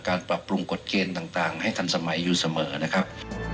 ปรับปรุงกฎเกณฑ์ต่างให้ทันสมัยอยู่เสมอนะครับ